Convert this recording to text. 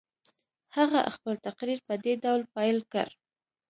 هغه خپل تقریر په دې ډول پیل کړ.